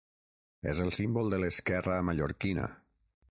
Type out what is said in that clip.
És el símbol de l'esquerra mallorquina.